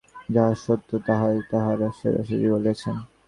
যাহা সত্য, তাহাই তাঁহারা সোজাসুজি বলিয়াছেন।